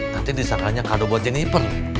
nanti diserahannya kado buat jennifer